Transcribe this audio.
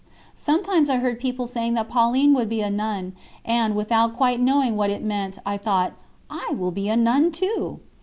Sometimes I heard people saying that Pauline would be a nun, and, without quite knowing what it meant, I thought: "I will be a nun too."